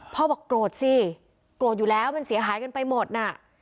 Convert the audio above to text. บอกโกรธสิโกรธอยู่แล้วมันเสียหายกันไปหมดน่ะ